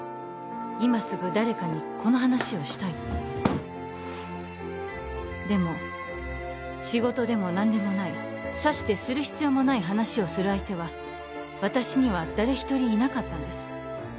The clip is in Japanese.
今すぐ誰かにこの話をしたいとでも仕事でも何でもないさしてする必要もない話をする相手は私には誰一人いなかったんです